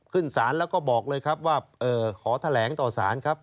ขึ้นศาลแล้วก็บอกเลยครับว่าขอแถลงต่อสารครับ